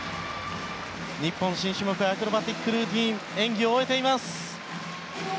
日本、新種目アクロバティックルーティン演技を終えています。